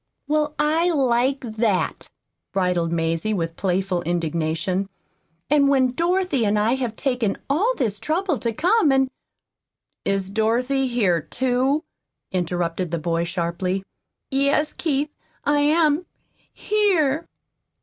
"Well, I like that!" bridled Mazie, with playful indignation; "and when Dorothy and I have taken all this trouble to come and " "Is Dorothy here, too?" interrupted the boy sharply. "Yes, Keith I am here."